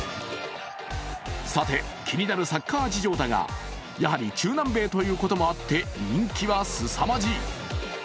さて気になるサッカー事情だがやはり中南米ということもあって人気はすさまじい。